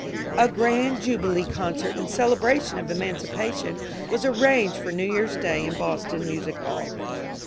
A grand jubilee concert in celebration of emancipation was arranged for New Year's Day in Boston Masic Hall.